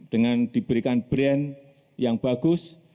dengan diberikan brand yang bagus